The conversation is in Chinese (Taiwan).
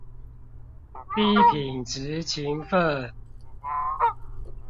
低品質勤奮